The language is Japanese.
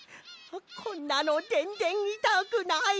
こんなのぜんぜんいたくない！